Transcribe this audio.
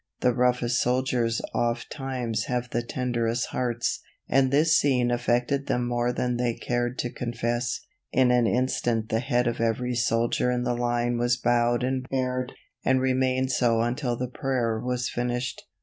The roughest soldiers ofttimes have the tenderest hearts, and this scene affected them more than they cared to confess. In an instant the head of every soldier in the line was bowed and bared, and remained so until the prayer was finished.